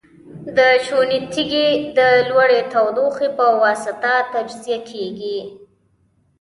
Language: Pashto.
د چونې تیږې د لوړې تودوخې په واسطه تجزیه کیږي.